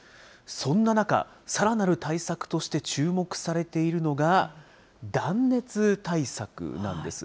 そんな中、さらなる対策として注目されているのが、断熱対策なんです。